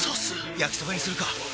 焼きそばにするか！